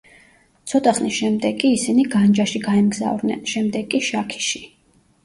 ცოტა ხნის შემდეგ კი ისინი განჯაში გაემგზავრნენ, შემდეგ კი შაქიში.